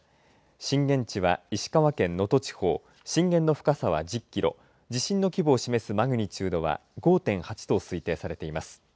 震源地は石川県能登地方震源の深さは１０キロ地震の規模を示すマグニチュードは５．８と推定されています。